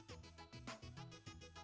kamu sempet peluk